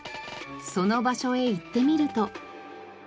その場所へ行ってみると。